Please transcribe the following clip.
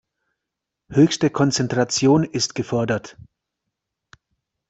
Höchste Konzentration ist gefordert.